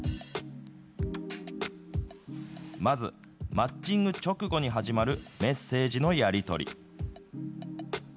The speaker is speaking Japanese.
まず、マッチング直後に始まるメッセージのやり取り。